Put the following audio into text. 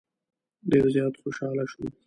ډېر زیات خوشاله شو.